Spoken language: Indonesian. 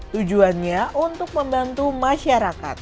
tujuannya untuk membantu masyarakat